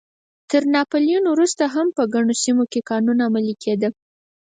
تر ناپلیون وروسته هم په ګڼو سیمو کې قانون عملی کېده.